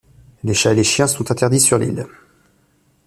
Les chats et les chiens sont interdits sur l'île.